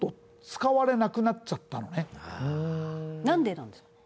なんでなんですか？